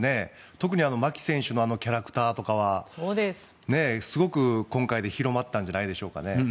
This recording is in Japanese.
特に牧選手のキャラクターとかはすごく今回で広まったんじゃないでしょうかね。